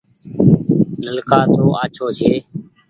نلڪآ تو آڇو ڇي ۔